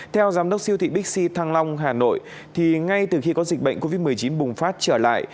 theo giám đốc siêu thị bixi thăng long hà nội thì ngay từ khi có dịch bệnh covid một mươi chín bùng phát trở lại